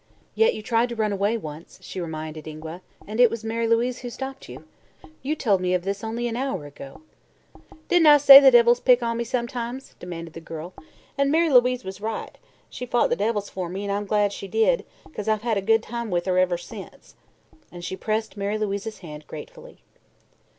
"Yet you tried to run away once," she reminded Ingua, "and it was Mary Louise who stopped you. You told me of this only an hour ago. "Didn't I say the devils pick on me sometimes?" demanded the girl. "An' Mary Louise was right. She fought the devils for me, and I'm glad she did, 'cause I've had a good time with her ever since," and she pressed Mary Louise's hand gratefully.